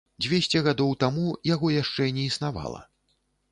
Дзвесце гадоў таму яго яшчэ не існавала.